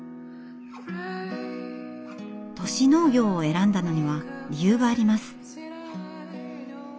都市農業を選んだのには理由があります。